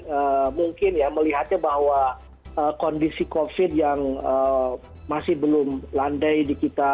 mungkin ya melihatnya bahwa kondisi covid yang masih belum landai di kita